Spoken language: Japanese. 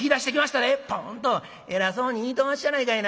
ポーンと偉そうに言いとうおまっしゃないかいな。